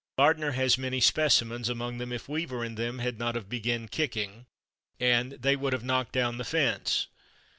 Lardner has many specimens, among them "if Weaver and them had not of /begin/ kicking" and "they would of /knock/ down the fence."